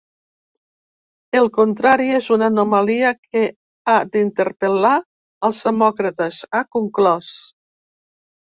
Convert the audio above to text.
El contrari és una anomalia que ha d’interpel·lar els demòcrates, ha conclòs.